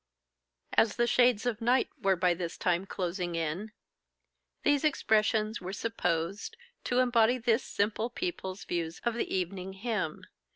As the shades of night were by this time closing in, these expressions were supposed to embody this simple people's views of the evening hymn.